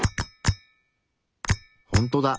ほんとだ。